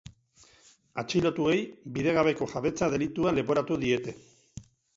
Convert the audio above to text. Atxilotuei bidegabeko jabetza delitua leporatu diete.